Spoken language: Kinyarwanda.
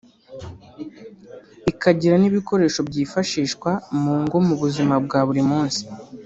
ikagira n’ibikoresho byifashishwa mu ngo mu buzima bwa buri munsi